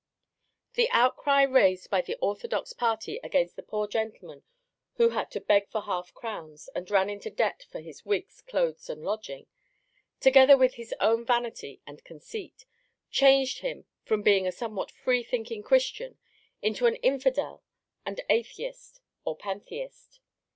The outcry raised by the orthodox party against the "poor gentleman" who had "to beg for half crowns," and "ran into debt for his wigs, clothes, and lodging," together with his own vanity and conceit, changed him from being a somewhat free thinking Christian into an infidel and atheist or Pantheist.